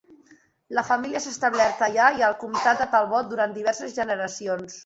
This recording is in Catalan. La família s'ha establert allà i al comptat de Talbot durant diverses generacions.